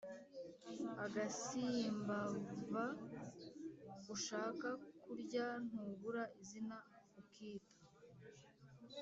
Agasimbva ushaka kurya ntubura izina ukita